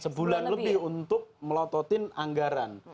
sebulan lebih untuk melototin anggaran